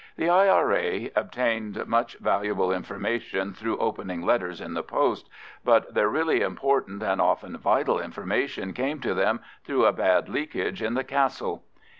The I.R.A. obtained much valuable information through opening letters in the post, but their really important and often vital information came to them through a bad leakage in the Castle.